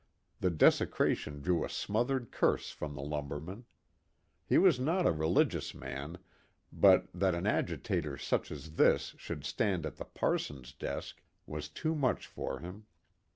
The desecration drew a smothered curse from the lumberman. He was not a religious man, but that an agitator such as this should stand at the parson's desk was too much for him.